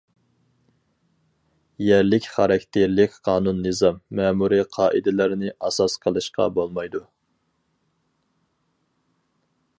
يەرلىك خاراكتېرلىك قانۇن-نىزام، مەمۇرىي قائىدىلەرنى ئاساس قىلىشقا بولمايدۇ.